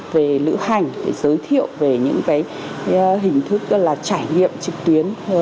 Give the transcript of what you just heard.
về lữ hành giới thiệu về những cái hình thức gọi là trải nghiệm trực tuyến